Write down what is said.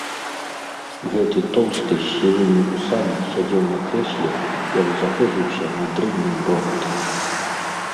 Гэты тоўсты, з сівымі вусамі сядзеў на крэсле і аж заходзіўся надрыўным рогатам.